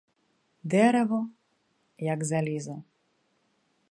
Дерево — як залізо.